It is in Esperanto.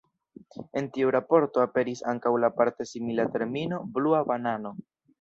En tiu raporto aperis ankaŭ la parte simila termino Blua Banano.